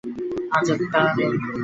আজ তারা নেই।